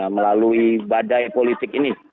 melalui badai politik ini